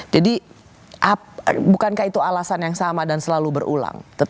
bukankah itu alasan yang sama dan selalu berulang